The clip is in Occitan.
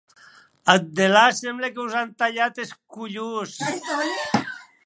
Ath delà, semble que vos an talhat carn damb es estalhants.